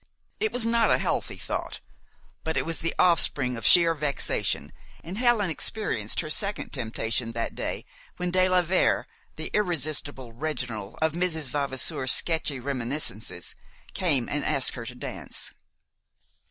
It was not a healthy thought, but it was the offspring of sheer vexation, and Helen experienced her second temptation that day when de la Vere, the irresistible "Reginald" of Mrs. Vavasour's sketchy reminiscences, came and asked her to dance.